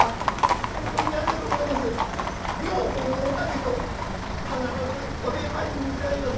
女房のお竹と必ずお礼参りに伺います。